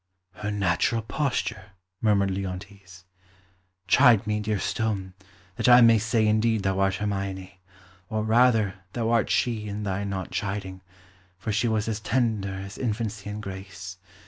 "Her natural posture!" murmured Leontes. "Chide me, dear stone, that I may say indeed thou art Hermione; or, rather, thou art she in thy not chiding, for she was as tender as infancy and grace.